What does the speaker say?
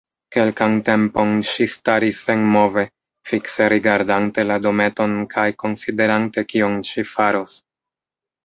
Kelkan tempon ŝi staris senmove, fikse rigardante la dometon kaj konsiderante kion ŝi faros.